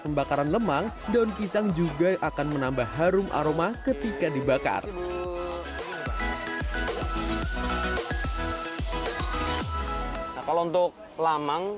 pembakaran lemang daun pisang juga akan menambah harum aroma ketika dibakar kalau untuk lamang